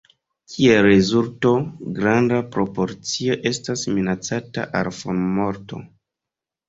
Kiel rezulto, granda proporcio estas minacata al formorto.